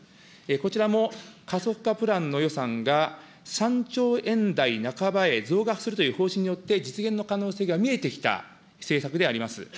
こちらも加速化プランの予算が３兆円台半ばへ増額するという方針によって、実現の可能性が見えてきた政策であります。